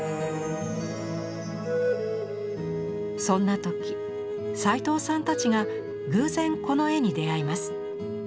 そんな時齋藤さんたちが偶然この絵に出会います。